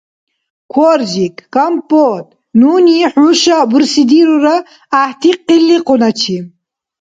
Коржик, Компот нуни хӀуша бурсидирура гӀяхӀти къиликъуначи.